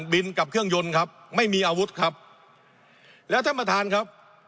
บินกับเครื่องยนต์ครับไม่มีอาวุธครับแล้วท่านประธานครับ